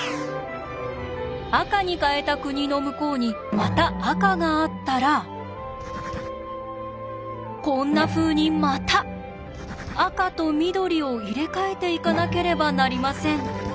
赤に変えた国の向こうにまた赤があったらこんなふうにまた赤と緑を入れ替えていかなければなりません。